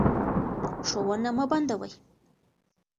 ښوونه مه بندوئ.